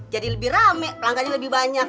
jadi lebih rame pelangganya lebih banyak